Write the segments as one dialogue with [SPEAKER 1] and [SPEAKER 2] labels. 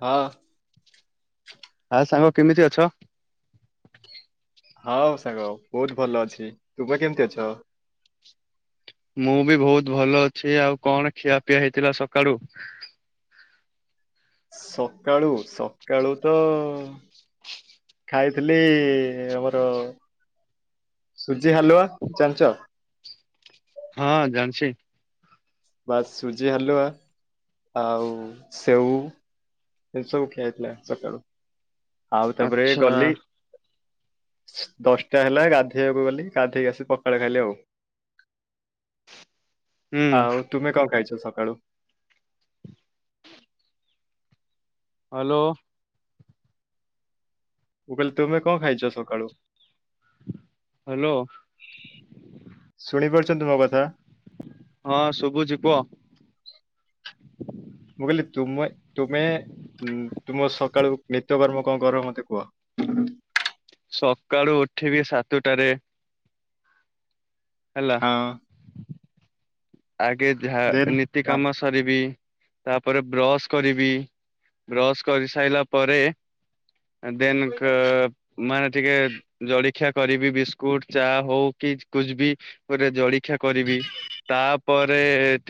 [SPEAKER 1] ହଁ।
[SPEAKER 2] ଆ ସାଙ୍ଗ କେମିତି ଅଛ?
[SPEAKER 1] ହଉ ସାଙ୍ଗ ବହୁତ ଭଲ ଅଛି ତୁ ପା କେମତି ଅଛ?
[SPEAKER 2] ମୁଁ ବି ବହୁତ ଭଲ ଅଛି ଆଉ କଣ ଖିଆପିଆ ହେଇଥିଲା ସକାଳୁ?
[SPEAKER 1] ସକାଳୁ ସକାଳୁ ତ ଖାଇଥିଲି ଆମର ସୁଜି ହାଲୁଆ ଜାଣିଛ।
[SPEAKER 2] ହଁ ଜାଣିଛି।
[SPEAKER 1] ବାସ୍ ସୁଜି ହାଲୁଆ ଆଉ ସେଉ। ସବୁ ଖିଆ ଥିଲା ସକାଳୁ। ଆଉ ତାପରେ
[SPEAKER 2] ଆଚ୍ଛା
[SPEAKER 1] ଗଲି। ଦଶଟା ହେଲା ଗାଧେଇବାକୁ ଗଲି ଗାଧେଇକି ଆସି ପଖାଳ ଖାଇଲି ଆଉ।
[SPEAKER 2] ହୁଁ
[SPEAKER 1] ଆଉ ତୁମେ କଁ ଖାାଇଛ ସ କାଳୁ
[SPEAKER 2] ହ୍ୟାଲୋ।
[SPEAKER 1] ମୁ କହିଲ ତମେ କଣ ଖାଇଛ ସକାଳୁ?
[SPEAKER 2] ହ୍ୟାଲୋ।
[SPEAKER 1] ଛନ୍ତି ମୋ କଥା।
[SPEAKER 2] ହଁ ଶୁଭୁଚି କୁହ।
[SPEAKER 1] ମୁଁ କହିଲି ତୁମେ ତୁମ ସକାଳୁ ନିତ୍ୟକର୍ମ କଣ କର ମତେ କୁହ।
[SPEAKER 2] ସକାଳୁ ଉଠିବି ସାତଟାରେ। ହେଲା
[SPEAKER 1] ହଁ।
[SPEAKER 2] ଆଗେ ଯାହା
[SPEAKER 1] ଦେନ୍
[SPEAKER 2] ନୀତି କାମ ସରିବି। ତାପରେ ବ୍ରଶ୍ କରିବି, ବ୍ରଶ୍ କରି ସାଇଲା ପରେ ଦେନ କ-ମାନେ ଟିକେ ଜଳଖିଆ କରିବି ବିସ୍କୁଟ ଚା ହଉ କି କୁଛବି ଗୋଟେ ଜଳଖିଆ କରିବି, ତା ପରେ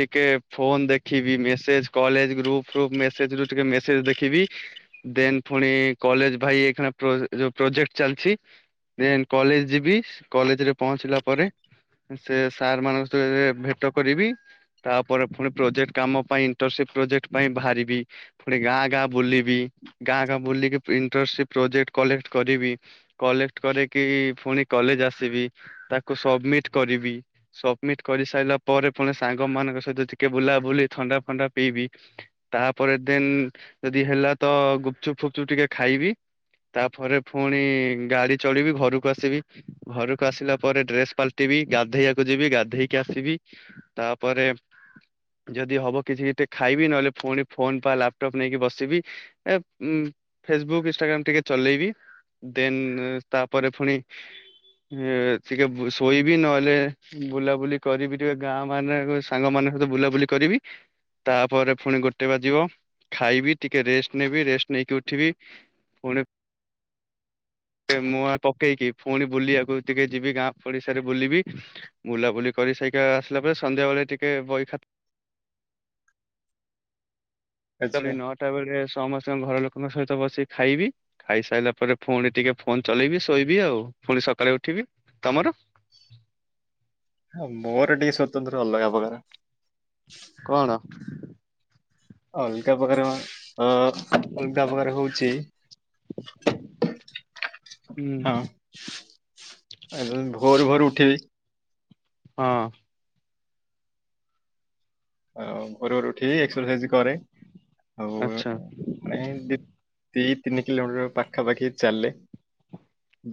[SPEAKER 2] ଟିକେ ଫୋନ୍ ଦେଖିବି ମେସେଜ୍ କଲେଜ୍ ଗ୍ରୁପ୍ ଫ୍ରୁପ ମେସେଜ୍ ରୁ ଟିକେ ମେସେଜ୍ ଦେଖିବି। ଦେନ୍ ପୁଣି କଲେଜ୍ ଭାଇ ଏଖିଣା ପ୍ର ଯୋଉ ପ୍ରୋଜେକ୍ଟ ଚାଲିଛି, ଦେନ୍ କଲେଜ୍ ଯିବି କଲେଜ୍ ରେ ପହଞ୍ଚିଲା ପରେ ସେ ସାର୍ ମାନଙ୍କ ସଙ୍ଗରେ ଭେ ତ କରିବି ତାପରେ ଫୁଣି ପ୍ରୋଜେକ୍ଟ କାମ ପାଇଁ ଇଣ୍ଟରସି ପ୍ରୋଜେକ୍ଟ ପାଇଁ ବାହାରିବି, ପୁଣି ଗାଁ ଗାଁ ବୁଲିବି ଗାଁ ଗାଁ ବୁଲିକି ଇଣ୍ଟସି ପ୍ରୋଜେକ୍ଟ କଲେକ୍ଟ କରିବି। କଲେକ୍ଟ କରିକି ଫୁଣି କଲେଜ୍ ଆସିବି, ତାକୁ ସବମିଟ୍ କରିବି ସବମିଟ୍ କରିସାଇଲା ପରେ ପୁଣି ସାଙ୍ଗମାନଙ୍କ ସହିତ ଟିକେ ବୁଲାବୁଲି ଥଣ୍ଡା ଫଣ୍ଡା ପିଇବି, ତାପରେ ଦେନ୍ ଯଦି ହେଲା ତ ଗୁପଚୁପ ଫୁପଚୁପ ଟିକେ ଖାଇବି, ତାପରେ ପୁଣି ଗାଡ଼ି ଚଢିବି ଘରକୁ ଆସିବି, ଘରକୁ ଆସିଲା ପରେ ଡ୍ରେସ୍ ପାଲଟିବି ଗାଧେଇବାକୁ ଯିବି ଗାଧେଇକି ଆସିବି। ତାପରେ ଯଦି ହବ କିଛି ଟିକେ ଖାଇବି, ନହେଲେ ପୁଣି ଫୋନ୍ ବା ଲାପଟପ୍ ନେଇକି ବସିବି ଏ ଉଁ, ଫେସବୁକ୍ ଇନଷ୍ଟାଗ୍ରାମ ଟିକେ ଚଲେଇବି ଦେନ୍ ତାପରେ ଫୁଣି ଏ ଟିକେ ବୁ-ଶୋଇବି ନହେଲେ ବୁଲାବୁଲି କରିବି ଟିକେ ଗାଁ ମାନେକୁ ସାଙ୍ଗ ମାନଙ୍କ ସହିତ ବୁଲାବୁଲି କରିବି, ତାପରେ ଫୁଣି ଗୋଟେ ବାଜିବ, ଖାଇବି ଟିକେ ରେଷ୍ଟ ନେବି, ରେଷ୍ଟ ନେଇକି ଉଠିବି ପୁଣି ଏ ମୁଁ ଆ, ପକେଇକି ଫୁଣି ବୁଲିଆକୁ ଟିକେ ଯିବି ଗାଁ ପଡିଶାରେ ବୁଲିବି, ବୁଲାବୁଲି କରିସାଇକା ଆସିଲା ପରେ ସନ୍ଧ୍ୟା ବେଳେ ଟିକେ ବହି ଖାତ୍ କାଲି
[SPEAKER 1] ଆଚ୍ଛା
[SPEAKER 2] ନଅଟା ବେଳେ ସମସ୍ ସ୍ତ ଘର ଲୋକଙ୍କ ସହିତ ବସିିକ ଖାଇବି ଖାଇ ସାଇଲା ପରେ ପୁଣି ଟିକେ ଫୋନ୍ ଚଲେଇବି, ଶୋଇବି ଆଉ ପୁଣି ସକାଳେ ଉଠିବି। ତୋମର?
[SPEAKER 1] ହଁ ମୋର ଟିକେ ସ୍ଵତନ୍ତ୍ର ଅଲଗା ପ୍ରକାର।
[SPEAKER 2] କଣ?
[SPEAKER 1] ଅଲଗା ପ୍ରକାରେ ମୋ ଅ, ଅଲଗା ପ୍ରକାର ହଉଛି,
[SPEAKER 2] ହୁଁ
[SPEAKER 1] ହଁ [unintelligible] ଭୋରୁ ଭୋରୁ ଉଠିବି।
[SPEAKER 2] ହଁ।
[SPEAKER 1] ଏ ଅ ଭୋରୁ ଭୋରୁ ଉଠିବି ଏକ୍ସସାଇଜ୍ କରେ, ଆଉ
[SPEAKER 2] ଆଚ୍ଛା
[SPEAKER 1] ମାନେ ଦୀ ଦି ତିନି କିଲୋମିଟର୍ ପାଖାପାଖି ଚାଲେ।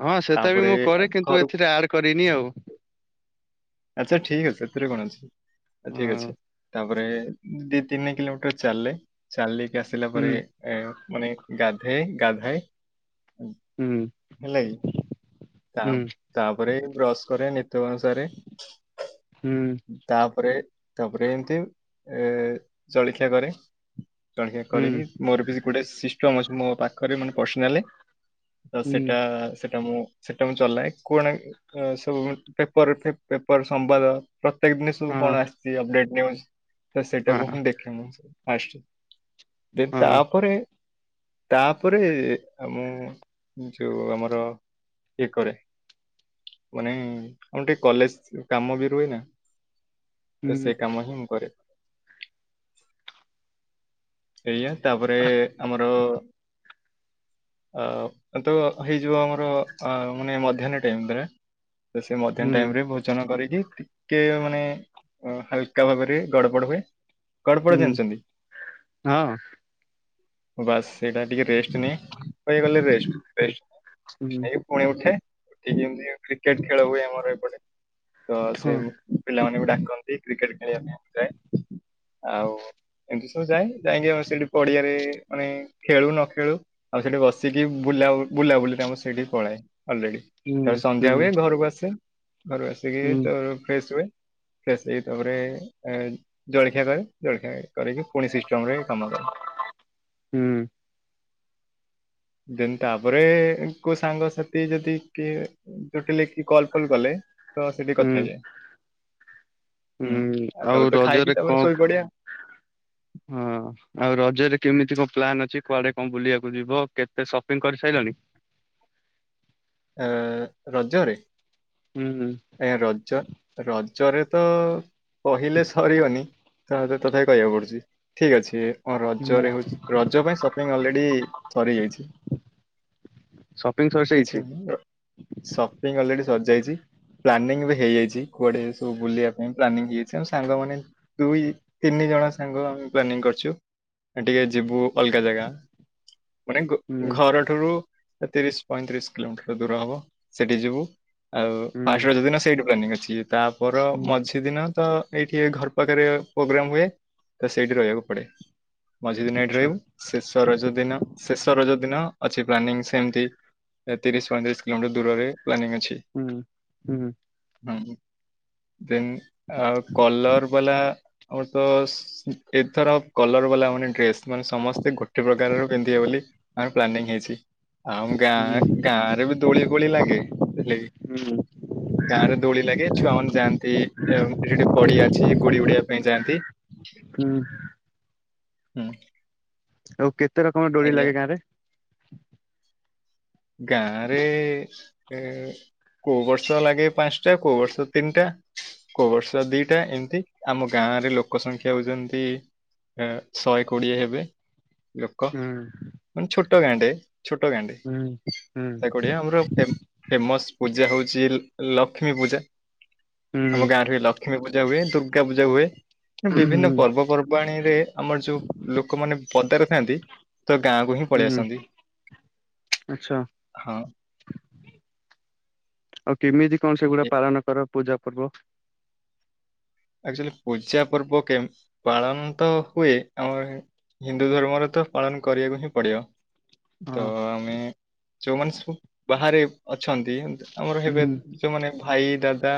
[SPEAKER 2] ହଁ ସେଟା ବି
[SPEAKER 1] ତାପରେ
[SPEAKER 2] ମୁଁ କରେ କିନ୍ତୁ
[SPEAKER 1] ଘରୁ
[SPEAKER 2] ଏଥିରେ ଆଡ୍ କରିନି ଆଉ।
[SPEAKER 1] ଆଚ୍ଛା ଠିକ ଅଛି ସେଥିରେ କଣ ଅଛି। ଏ
[SPEAKER 2] ହଁ
[SPEAKER 1] ଠିକ ଅଛି ଥାଉ। ତାପରେ ଦି ତିନି କିଲୋମିଟର୍ ଚାଲେ, ଚାଲି କି ଆସିଲା ପରେ
[SPEAKER 2] ହୁଁ
[SPEAKER 1] ଏ ମାନେ ଗାଧେଏ ଗାଧାଏ
[SPEAKER 2] ହୁଁ
[SPEAKER 1] ହେଲା କି ତା
[SPEAKER 2] ହୁଁ
[SPEAKER 1] ତାପରେ ବ୍ରସ୍ କରେ ନି ତ ଅନୁସାରେ
[SPEAKER 2] ହୁଁ
[SPEAKER 1] ତାପରେ ତାପରେ ଏମିତି ଏ ଜଳଖିଆ କରେ। ଜଳଖିଆ
[SPEAKER 2] ହୁଁ
[SPEAKER 1] କରିକି ମୋର ବି ଗୋଟେ ସି ଚମଚ ମୋ ପାଖରେ ମାନେ ପର୍ସନାଲେ ତ
[SPEAKER 2] ହୁଁ
[SPEAKER 1] ସେଟା ସେ ସେଟ ମୁ ସେଟା ମୁଁ ଚଲାଏ କୁଣ ସବୁ ପେପର ପେପର ସମ୍ପାଦ ପ୍ରତ୍ୟେକ ଦିନ ସବୁ
[SPEAKER 2] ହଁ
[SPEAKER 1] କଣ ଆସିଛି ଅପେଟ୍ ଧନ୍ୟ ତ ସେଇଟାକୁ
[SPEAKER 2] ହଁ
[SPEAKER 1] ହିଁ ଦେଖେନୁ ଅସ୍ ଦ
[SPEAKER 2] ହଁ
[SPEAKER 1] ତାପରେ ତାପରେ ଆମଁ ଯୋଉ ଆମର ଇଏ କରେ ମାନେ ଆମର ଟିକେ କଲେଜ କାମ ବି ରୁହନା। ତ
[SPEAKER 2] ହୁଁ
[SPEAKER 1] ସେ କାମ ହି ମୁଁ କରେ। ସେଇଆ ତାପରେ ଆମର ଆ ତ ହେଇଯିବ ଆମର ଆ ମାନେ ମଧ୍ୟହ୍ନ ଟାଇମଟାରେ। ତ ସେ
[SPEAKER 2] ହୁଁ
[SPEAKER 1] ମଧ୍ୟାହ୍ନ ଟାଇମ ରେ ଭୋଜନ କରିି ଯେ ଟିକେ ମାନେ ହାଲକା ଭାବରେ ଗଡବଡ ହୁଏ। [unintelligible]
[SPEAKER 2] ହୁଁ
[SPEAKER 1] ଜାଣିଛନ୍ତି।
[SPEAKER 2] ହଁ।
[SPEAKER 1] ବାସ୍ ସେଇଟା ଟିକେ ରେଷ୍ଟ ନିଏ [unintelligible] ଗଲେ ରେଷ୍ଟ
[SPEAKER 2] ହୁଁ
[SPEAKER 1] ସେଇ ପୁଣି ଏଠି [unintelligible] ଏମିତି କ୍ରିକେଟ ଖେଳ ହୁଏ ଆମର ଏପଟେ। ତ ସେ
[SPEAKER 2] ହଁ
[SPEAKER 1] ପିଲାମାନେ ଡାକନ୍ତି କ୍ରିକେଟ ଖେଳିବା ପାଇଁ ମୁଁ ଯାଏ ଆଉ ଏମତି ତ ଯାଇ ଯାଇକି ନା ସେଠି ପଡିଆରେ ମାନେ ଖେଳୁ ନ ଖେଳୁ ଆଉ ସେଠି ବସିକି ବୁଲା ବୁଲାବୁଲିକାମ ସେଇଠି ହଏ। ଅଲରେଡି
[SPEAKER 2] ହୁଁ
[SPEAKER 1] ସନ୍ଧ୍ୟା
[SPEAKER 2] ହୁଁ
[SPEAKER 1] ହୁଏ ଘରକୁ ଆସିମୁ। ଘରେ ଆସିକି
[SPEAKER 2] ହୁଁ
[SPEAKER 1] ତ ଫ୍ରେଶ ହୁଏ। ଫ୍ରେସ ହେଇକି ତାପରେ ଏ ଜଳଖିଆ କରେ ଜଳଖିଆ କରିକି ପୁଣି ସିଷ୍ଟମରେ କାମ କରେ।
[SPEAKER 2] ହୁଁ
[SPEAKER 1] ଦେନ୍ ତାପରେ କୋଉ ସାଙ୍ଗସଥି ଯଦି କିଏ ଯୁଟିଲେ କି କଲ ଫଲ କଲେ ତ ସେଠି
[SPEAKER 2] ହୁଁ
[SPEAKER 1] କଥା ହେଇଯାଏ ହୁଁ ଆଉ ତାପରେ ତ ଖାଇକି ତାପରେ ଶୋଇପଡେ।
[SPEAKER 2] ହଁ ଆଉ ରଜରେ କେମିତି କଣ ପ୍ଲନ୍ ଅଛି କୁଆଡେ କଣ ବୁଲିବାକୁ ଯିବ କେତେ ସପିଙ୍ଗ କରି ସାରିଲଣିି?
[SPEAKER 1] ଏ ରଜରେ?
[SPEAKER 2] ହୁଁ
[SPEAKER 1] ଏ ରଜ ରଜରେ ତ କହିଲେ ସରିବନି [unintelligible] କହିବାକୁ ପଡୁଛି ଠିକ ଅଛି। ହଁ
[SPEAKER 2] ହୁଁ
[SPEAKER 1] ରଜରେ ରଜ ପାଇଁ ସପିଙ୍ଗ ଅଲରେଡି ସରିଯାଇଛି
[SPEAKER 2] ସପିଂ
[SPEAKER 1] କିଛି
[SPEAKER 2] ସରିଯାଇଛି
[SPEAKER 1] [unintelligible] ସପିଙ୍ଗ ଅଲରେଡି ସରିଯାଇଚି ପ୍ଲାନିଂ ଏ ହେଇଯାଇଛି କୁଆଡେ ସବୁ ବୁଲିବା ପାଇଁ ପ୍ଲାନିଂ ହେଇଯାଇଛି ଆମ ସାଙ୍ଗ ମାନେ ଦୁଇ ତିନି ଜଣ ସାଙ୍ଗ ଆମେ ପ୍ଲାନିଂ କରଛୁ ଟିକେ ଯିବୁ ଅଲଗା ଜାଗା। [unintelligible]
[SPEAKER 2] ହୁଁ
[SPEAKER 1] ଘରଠାରୁ ତିରିଶ ପଇଁତିରିଶ କିଲୋମିଟର ଦୂର ହବ ସେଠି ଯିବୁ। ଆଉ
[SPEAKER 2] ହୁଁ
[SPEAKER 1] ଫାଷ୍ଟ ରାଜ ଦିନ ସେଇଠୁ ପ୍ଲାନିଂ ଅଛି। [unintelligible] ତାପର
[SPEAKER 2] ହୁଁ
[SPEAKER 1] ମଝିଦିନ ତ ଏଇଠି ଏ ଘର ପାଖରେ ପ୍ରୋଗ୍ରାମ ହୁଏ ତ ସେଇଠି ରହିବାକୁ ପଡ଼େ। ମଝି ଦିନ ଏଇଠି
[SPEAKER 2] ଆଚ୍ଛା।
[SPEAKER 1] ରହିବୁ ଶେଷ ରଜ ଦିନ ଶେଷ ରଜ ଦିନ ଅଛି ପ୍ଲାନିଂ ସେମିତି ତିରିଶ ପଇଁତିରିଶି କିଲୋଟର ଦୂରରେ ପ୍ଲାନିଂ ଅଛି
[SPEAKER 2] ହୁଁ। ହୁଁ
[SPEAKER 1] ହଁ। ଦେନ୍ କଲର ବାଲା ଆମର ତ ଏଥର କଲର ବାଲା ମାନେ ଡ୍ରେସ୍ ମାନେ ସମସ୍ତେ ଗୋଟେ ପ୍ରକାରର ପିନ୍ଧିବେ ବୋଲି ଆମର ପ୍ଲାନିଂ ହେଇଛି। ଆମ୍
[SPEAKER 2] ହୁଁ
[SPEAKER 1] ଗାଁ ଗାଁ ରେ ବି ଦୋଳି ଫୋଳି ଲାଗେ ହେ
[SPEAKER 2] ହୁଁ
[SPEAKER 1] ଗାଁ ରେ ଦୋଳି ଲାଗେ ଛୁଆ ମାନେ ଯାଆନ୍ତି ସେଠି ପଡିଆ ଅଛି ଗୋଡି ଉଡିବା ପାଇଁ ଯାଆନ୍ତି।
[SPEAKER 2] ହୁଁ
[SPEAKER 1] ହୁଁ
[SPEAKER 2] ଆଉ କେତେ ରକମ ଦୋଳି
[SPEAKER 1] ଆଜ୍ଞା
[SPEAKER 2] ଲାଗେ ଗାଁ ରେ?
[SPEAKER 1] ଗାଁରେ କୋଉ ବର୍ଷ ଲାଗେ ପାଞ୍ଚଟା କୋଉ ବର୍ଷ ତିନିଟା କୋଉ ବର୍ଷ ଦିଟା ଏମିତି ଆମ ଗାଁରେ ଲୋକ ସଂଖ୍ୟା ହଉଛନ୍ତି ଶହେ କୋଡିଏ ହେବେ। ଲୋକ
[SPEAKER 2] ହୁଁ
[SPEAKER 1] ମାନେ ଛୋଟୋ ଗାଁଟେ ଛୋଟୋ ଗାଁଟେ।
[SPEAKER 2] ହୁଁ ହୁଁ
[SPEAKER 1] ସେକୁଡିଆ ଆମର ଫେମସ। ପୂଜା ହଉଛି ଲକ୍ଷ୍ମୀ ପୂଜା।
[SPEAKER 2] ହୁଁ
[SPEAKER 1] ଆମ ଗାଁଠି ଲ ଲକ୍ଷ୍ମୀ ପୂଜା ହୁଏ ଦୁର୍ଗା ପୂଜା ହୁଏ। ବିଭିନ୍ନ
[SPEAKER 2] ହୁଁ
[SPEAKER 1] ପର୍ବପର୍ବାଣୀରେ ଆମର ଯୋଉ ଲୋକମାନେ ପଦାରେ ଥାଆନ୍ତି। ତ ଗାଁକୁ ହିଁ ପଳି ଆସନ୍ତି।
[SPEAKER 2] ଆଛା
[SPEAKER 1] ହଁ
[SPEAKER 2] ଆଉ କେମିତି କଣ ସେଗୁଡା ପାଳନ କର? ପୂଜା ପର୍ବ।
[SPEAKER 1] ଆଚୁଆଲି ପୂଜା ପର୍ବ କେ ପାଳନ ତ ହୁଏ ଆମର ହିନ୍ଦୁ ଧର୍ମରେ ତ ପାଳନ କରିବାକୁ ହିଁ ପଡିବ। ତ
[SPEAKER 2] ହଁ
[SPEAKER 1] ଆମେ ଯୋଉମାନେ ସବୁ ବାହାରେ ଅଛନ୍ତି ଏତି ଆମର ହେବେ
[SPEAKER 2] ହୁଁ
[SPEAKER 1] ଯୋଉମାନେ ଭାଇ ଦାଦା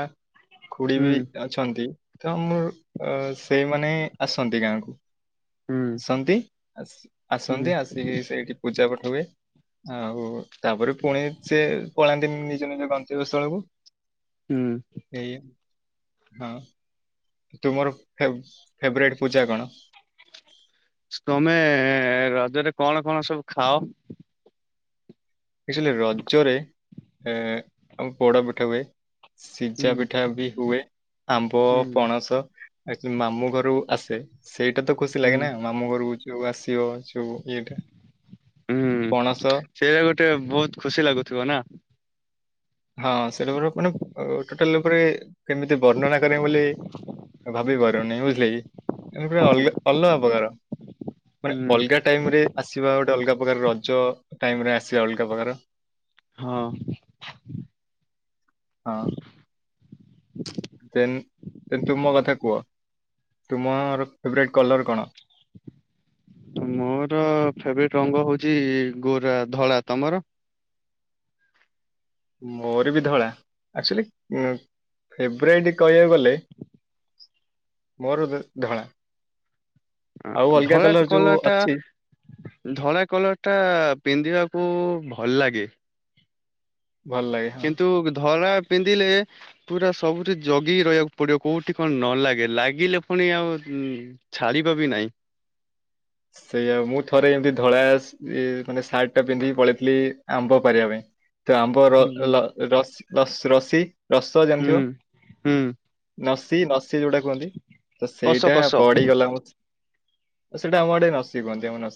[SPEAKER 1] ଖୁଡି ବି
[SPEAKER 2] ହୁଁ
[SPEAKER 1] ଅଛନ୍ତି। ତ ମୋର ସେଇମାନେ ଆସନ୍ତି ଗାଁକୁ
[SPEAKER 2] ହୁଁ
[SPEAKER 1] ସନ୍ତି ଆସି
[SPEAKER 2] ହୁଁ
[SPEAKER 1] ଆସନ୍ତି ଆସିକି ସେଇଠି ପୂଜା ପାଠ ହୁଏ। ଆଉ ତାପରେ ପୁଣି ସେ ପଳାନ୍ତି ନି [inaudible] ସ୍ଥଳ କୁ
[SPEAKER 2] ହୁଁ।
[SPEAKER 1] ହଁ। ତୁମର ଫେବରାଇଟ ପୂଜା କଣ?
[SPEAKER 2] ତମେ ରଜରେ କଣ କଣ ସବୁ ଖାଅ?
[SPEAKER 1] ଅଚୁଆଲୟ ରଜ ରେ ଏ ପୋଡ଼ ପିଠା ହୁଏ। ସିଜା
[SPEAKER 2] ହୁଁ
[SPEAKER 1] ପିଠା ବି ହୁଏ। ଆମ୍ବ
[SPEAKER 2] ହୁଁ
[SPEAKER 1] ପଣସ [inaudible] ମାମୁ ଘରୁ ଆସେ ସେଇଟା ତ ଖୁସି ଲାଗେ
[SPEAKER 2] ହୁଁ
[SPEAKER 1] ନାଁ ମାମଁ ଘରକୁ ଯୋଉଁ ଆସିବ। ଯୋଉ ଇଏଟା
[SPEAKER 2] ହୁଁ
[SPEAKER 1] ପଣସ
[SPEAKER 2] ସେଇଟ ଗୋଟେ ଗୋଟେ ବହୁତ ଖୁସି ଲାଗୁଥିବ ନାଁ
[SPEAKER 1] ହଁ ସେଇଟା ଗୋଟେ ମାନେ ଉ ଟୋଟାଲ ପରେ କେମିତି ବର୍ଣ୍ଣନା କରେ ବୋଲି ଭାବିବାର [inaudible] ପୁରା ଅଲଗା ଅଲଗା ପ୍ରକାର ମାନେ
[SPEAKER 2] ହୁଁ
[SPEAKER 1] ଅଲଗା ଟାଇମ ରେ ଆସିବା ଗୋଟେ ଅଲଗା ପ୍ରକାର ରଜ ଟାଇମ ରେ ଆସିବା ଅଲଗା ପ୍ରକାର।
[SPEAKER 2] ହଁ।
[SPEAKER 1] ଦେନ ତୁମ କଥା କୁହ ତୁମର ଫେବେରାଇ କଲର କଣ?
[SPEAKER 2] ମୋର ଫେବେରାଇଟ ରଙ୍ଗ ହଉଛି ଗୋରା ଧଳା ତମର?
[SPEAKER 1] ମୋର ବି ଧଳା ଆକଚୁଆଲି ଫେବୃଆାରୀ କହିବାକୁ ଗଲେ ମୋର ଧଳା। ଆଉ ଅଲଗା
[SPEAKER 2] ଧଳା
[SPEAKER 1] କଲର୍ ଯୋଉ
[SPEAKER 2] କଲର ଟା
[SPEAKER 1] ଅଛି
[SPEAKER 2] ଧଳା କଲର ଟା ପିନ୍ଧିବା ଭଲ ଲାଗେ।
[SPEAKER 1] ଭଲ ଲାଗେ ହଁ
[SPEAKER 2] କିନ୍ତୁ ଧରା ପିନ୍ଧିଲେ ପୁରା ସବୁଠି ଜଗିକି ରହିବାକୁ ପଡିବ କୋଉଠି କଣ ନ ଲାଗେ ଲାଗିଲେ ପୁଣି ଆଉ ଛାଡ଼ିବା ବି ନାହିଁ।
[SPEAKER 1] ସେଇଆ ମୁଁ ଥରେ ଏମତି ଧଳା ମାନେ ସାର୍ଟ ଟା ପିନ୍ଧିକି ପଳେଇଥିଲି ଆମ୍ବ ପାରିବା ପାଇଁ। ଆମ୍ୱ ର
[SPEAKER 2] ହୁଁ ହୁଁ
[SPEAKER 1] ଲ ରସ ଦଶ ରଶୀ। ରସ
[SPEAKER 2] ହୁଁ
[SPEAKER 1] ଜାଣିଥିବ
[SPEAKER 2] ହୁଁ
[SPEAKER 1] ନସି ସେ ଯୋଉଟା କୁହନ୍ତି ତ
[SPEAKER 2] କଷ
[SPEAKER 1] ସେଇଟା
[SPEAKER 2] କଷ
[SPEAKER 1] ପଢିଗଲା ମୋ ସେଟା ଆମ ଆଡେ ନସିି କୁହନ୍ତି ଆମ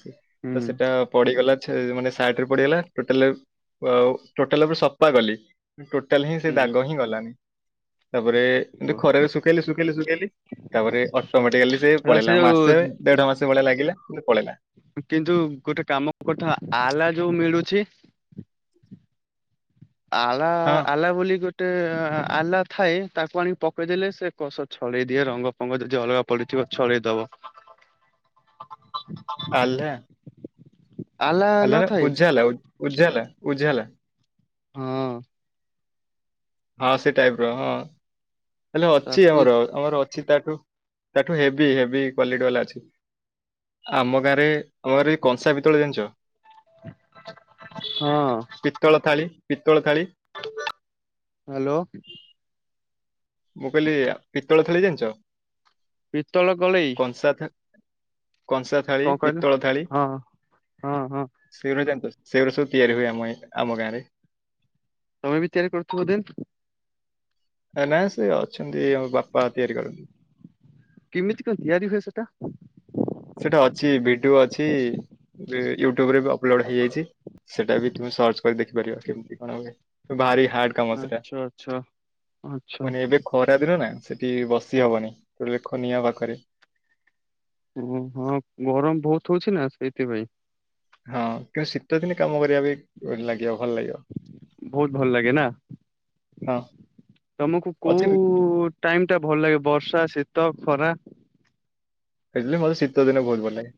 [SPEAKER 2] ହୁଁ
[SPEAKER 1] ତ ସେଇଟା ପଡିିଗଲା। ମାନେ ସାଟରେ ପଡିଗଲା ଟୋଟାଲ ଟୋଟାଲ ଉପରେ ସଫା କଲି। ଟୋଟାଲ ହିଁ
[SPEAKER 2] ହୁଁ।
[SPEAKER 1] ସେ ଦାଗ ହିଁ ଗଲାନି। ତାପରେ ଏମତି
[SPEAKER 2] ହଁ
[SPEAKER 1] ଖରେରେ ଶୁଖେଇଲି ଶୁଖେଇ ଶୁଖେଇଲି ତାପରେ ଅଟୋମଟିକାଲି ସେ ପଳେଇଲା ମାସେ ଦେଢ ମାସ ଲାଗିଲା କିନ୍ତୁ ପଳେଇଲା।
[SPEAKER 2] କିନ୍ତୁ ଗୋଟେ କାମ କଥା ଆଲା ଯୋଉ ମିଳୁଛି। ଆଲା
[SPEAKER 1] ହଁ
[SPEAKER 2] ଆଲା ବୋଲି ଗୋଟେ ଆଲା ଥାଏ ତାକୁ ଆଣି ପକେଇଦେଲେ ସେ କସ ଛଳେଇ ଦିଏ ରଙ୍ଗ ଫଙ୍ଗ ଯଦି ।ଅଲଗା ପଡିଥିବ ଛଳେଇ ଦବ।
[SPEAKER 1] ଆହ୍ଲା। ଆଲା ନା ଉଜ୍ଜାଲା ଉଜ୍ଜାଲା ଉଜ୍ଜାଲା
[SPEAKER 2] ହଁ
[SPEAKER 1] ହଁ ସେ ଟାଇପ ର ହଁ। ହେଲେ ଅଛି
[SPEAKER 2] ତାକୁ
[SPEAKER 1] ଆମର ଆମର ଅଛି ତାଠୁ ତାଠୁ ହେଭି ହେଭି କ୍ଵାଲିଟି ବାଲା ଅଛି। ଆମ ଗାଁରେ ଆମ ଘର କଂସା ପିତଳ ଜାଣିଛ
[SPEAKER 2] ହଁ
[SPEAKER 1] ପିତଳ ଥାଳି ପିତ୍ତଳ ଥାଳି
[SPEAKER 2] ହ୍ୟାଲୋ।
[SPEAKER 1] ମୁଁ କହିଲି ପିତ୍ତଳ ଥାଳି ଜାଣି ଯ
[SPEAKER 2] ପିତଳ କଳେଇ ।
[SPEAKER 1] କଂସା ଥାଳି ପିତ୍ତଳ ଥାଳି
[SPEAKER 2] ହଁ ହଁ ହଁ
[SPEAKER 1] ଶୀଘ୍ର ଜାଣି ସେଗୁରା ସବୁ ତିଆରି ହୁଏ ଆମ ଆମ ଗାଁ ରେ।
[SPEAKER 2] ତୋମେ ବି ତିଆରି କରଥୁବ ଦେନ୍
[SPEAKER 1] ଏ ନା ସେ ଅଛନ୍ତି, ଏ ଆମ ବାପା ତିଆରି କରନ୍ତି।
[SPEAKER 2] କିମିତି କଣ ତିଆରି ହୁଏ ସେଟା?
[SPEAKER 1] ସେଟା ଅଛି ଭିଡିଓ ଅଛି, ବେ ୟୁଟ୍ୟୁବ ରେ ବି ଅ ଅପଲୋଡ଼୍ ହେଇଯାଇଛି, ସେଟା ବି ତୁମେ ସର୍ଚ କରି ଦେଖିପାରିବା କେମିତି କଣ ହୁଏ। ଭାରିଆ ହାଡ୍ କାମ ସେଟା,
[SPEAKER 2] ଆଚ୍ଛା ଆଚ୍ଛା ଆଚ୍ଛା
[SPEAKER 1] ମାନେ ଏବେ ଖରା ଦିନ ନା। ସେଠି ବସିହବନି, ତୋ ଲେ ଖନିଆ ପାଖରେ
[SPEAKER 2] ଓ ହଁ ଗରମ ବହୁତ ହଉଛି ନା? ସେଇଥିପାଇଁ।
[SPEAKER 1] ହଁ କିନ୍ତୁ ଶୀତ ଦିନେ କାମ କରିବା ପାଇଁ ଲାଗିବ ଭଲ ଲାଗିବ।
[SPEAKER 2] ବହୁତ ଭଲ ଲାଗେ ନା
[SPEAKER 1] ହଁ
[SPEAKER 2] ତୋମକୁ
[SPEAKER 1] ଅଛି
[SPEAKER 2] କୋଉ ଟାଇମ୍ ଟା ଭଲ ଲାଗେ? ବର୍ଷା ଶୀ ତ, ଖରା
[SPEAKER 1] ହେଲେ ମୋତେ ଶୀତ ଦିନ ବହୁତ ଭଲ ଲାଗେ।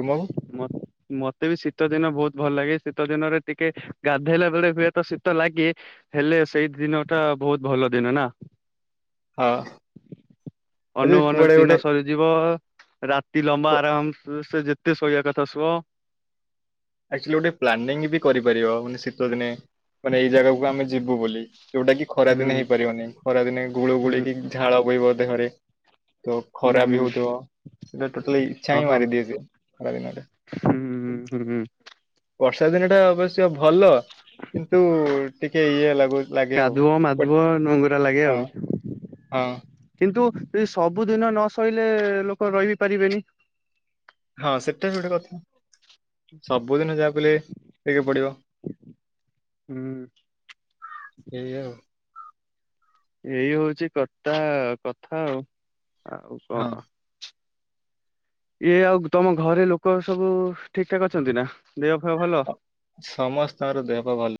[SPEAKER 1] ତୁମକୁ?
[SPEAKER 2] ମତ୍ ମୋତେ ବି ଶୀତ ଦିନ ବହୁତ ଭଲ ଲାଗେ, ଶୀତ ଦିନରେ ଟିକେ ଗାଧେଇଲା ବେଳେ ହୁଏତ ଶୀତ ଲାଗେ, ହେଲେ ସେଇ ଦିନ ଟା ବହୁତ ଭଲ ଦିନ ନା।
[SPEAKER 1] ହଁ ଯଦି
[SPEAKER 2] ଅନଉ ଅନଉ
[SPEAKER 1] କୁଆଡେ
[SPEAKER 2] ଦିନ
[SPEAKER 1] ଗୋଟେ
[SPEAKER 2] ସରିଯିବ ରାତି ଲମ୍ବା ଆରାମ ସେ ଯେତେ ତେ ଶୋଇଆ କଥା ଶୁଅ
[SPEAKER 1] ଆକ୍ଚୁଲି ଗୋଟେ ପ୍ଲାନିଂ ବି କରିପାରିବ, ମାନେ ଶୀତ ଦିନେ ମାନେ ଏଇ ଜାଗାକୁ ଆମେ ଯିବୁ ବୋଲି, ଯୋଉଟା କି ଖରା
[SPEAKER 2] ହୁଁ
[SPEAKER 1] ଦିନେ ହେଇପାରିବନି ଖରା ଦିନେ ଗୁଳୁ
[SPEAKER 2] ହୁଁ
[SPEAKER 1] ଗୁଳିକି ଝାଳ ବୋଇିବ ଦେହରେ। ତ
[SPEAKER 2] ହୁଁ
[SPEAKER 1] ଖରା ବି
[SPEAKER 2] ହୁଁ
[SPEAKER 1] ହଉଥିବ, ସେଇଟା ଟୋଟାଲି ଇଚ୍ଛା
[SPEAKER 2] ହଁ
[SPEAKER 1] ହିଁ
[SPEAKER 2] ହଁ
[SPEAKER 1] ମାରିଦିଏ ସିଏ ଖରା ଦିନରେ।
[SPEAKER 2] ହୁଁ ହୁଁ
[SPEAKER 1] ବର୍ଷା ଦିନ ଟା ଅବଶ୍ୟ ଭଲ କିନ୍ତୁ ଟିକେ ଇଏ ଲାଗୁ ଲାଗେ ଆଉ।
[SPEAKER 2] କାଧୁଅ
[SPEAKER 1] ବଟ୍
[SPEAKER 2] ମାଧୁଅ ନଙ୍ଗୁରା ଲାଗେ
[SPEAKER 1] ହଁ
[SPEAKER 2] ଆଉ,
[SPEAKER 1] ହଁ
[SPEAKER 2] କିନ୍ତୁ ଏଇ ସବୁଦିନ ନସଇଲେ ଲୋକ ରହିିବି ପାରିବେନି।
[SPEAKER 1] ହଁ ସେଟା ବି ଗୋଟେ କଥା। ସବୁଦିନ ଯାହା ବି ହେଲେ ଏଇ ଯୋଉ ପଡିବ
[SPEAKER 2] ହୁଁ
[SPEAKER 1] ଏଇଆ।
[SPEAKER 2] ଏଇ ହଉଛି କତା କଥା ଆଉ। ଆଉ କଣ? ଇଏ ଆଉ ତୋମ ଘରେ ଲୋକ ସବୁ ଠିକ ଠାକ ଅଛନ୍ତି ନା, ଦେହ ଫେହ ଭଲ?
[SPEAKER 1] ହଁ। ସମସ୍ତଙ୍କର ଦେହ ପା ଭଲ୍